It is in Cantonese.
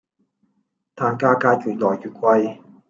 但價格越來越貴